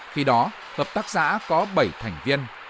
khi đó hợp tác xã có bảy thành viên